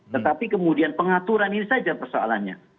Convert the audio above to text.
tetapi kemudian pengaturan ini saja persoalannya